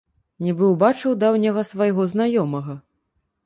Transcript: Нібы ўбачыў даўняга свайго знаёмага.